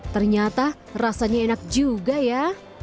ternyata rasanya enak juga ya